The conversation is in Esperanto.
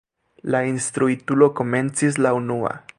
La instruitulo komencis la unua.